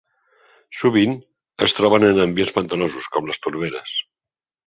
Sovint es troben en ambients pantanosos com les torberes.